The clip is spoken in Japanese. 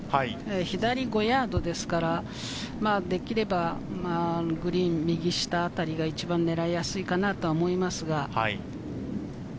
左５ヤードですから、できれば、グリーン右下あたりが一番狙いやすいかなと思います。